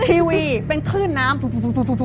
ทีวีเป็นคลื่นน้ำสูง